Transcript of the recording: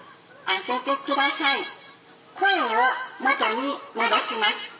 声を元に戻します。